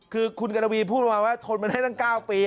คือคุณกรวีพูดมาว่าทนมาได้ตั้ง๙ปี